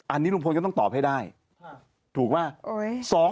อันนี้ลุงพลก็ต้องตอบให้ได้ถูกไหม